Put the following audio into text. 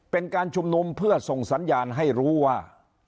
เป็นการชุมนุมเพื่อส่งสัญญาณให้รู้ว่า